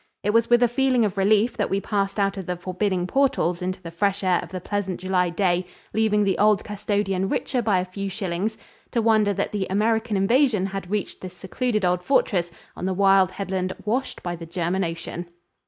It was with a feeling of relief that we passed out of the forbidding portals into the fresh air of the pleasant July day, leaving the old custodian richer by a few shillings, to wonder that the "American Invasion" had reached this secluded old fortress on the wild headland washed by the German Ocean.